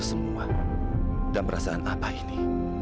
saya akan menjagakan no